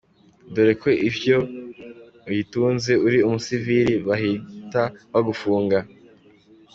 Dore ko iyo uyitunze uri umusiviri bahita bagufunga, .